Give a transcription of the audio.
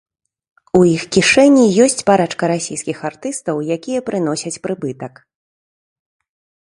У іх кішэні ёсць парачка расійскіх артыстаў, якія прыносяць прыбытак.